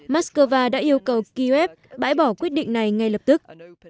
moscow đã yêu cầu kiev bãi bỏ quyết định này ngay lập tức